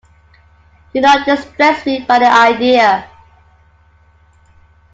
Do not distress me by the idea.